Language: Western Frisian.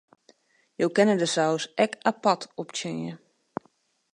Jo kinne de saus ek apart optsjinje.